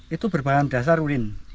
itu berbahan dasar urin